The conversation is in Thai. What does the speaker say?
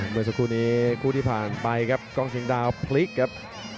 เมื่อสักครู่นี้คู่ที่ผ่านไปครับกล้องเชียงดาวพลิกครับ